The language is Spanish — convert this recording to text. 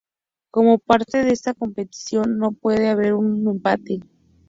Como parte de esta competición, no puede haber un empate.